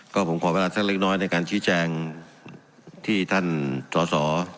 ก็ผมขอเวลาท่านเล็กน้อยในการชี้แจงที่ท่านสอสอ